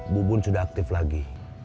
bubun sudah aktif lagi